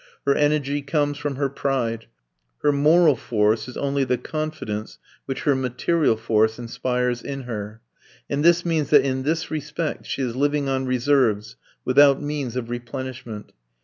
Her energy comes from her pride. Her moral force is only the confidence which her material force inspires in her. And this means that in this respect she is living on reserves without means of replenishment.